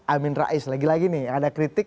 amin rais lagi lagi nih ada kritik